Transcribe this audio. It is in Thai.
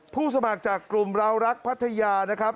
สมัครจากกลุ่มเรารักพัทยานะครับ